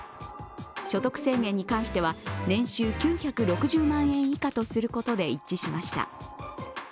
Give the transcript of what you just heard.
所得制限に関しては、年収９６０万円以下とすることで一致しました。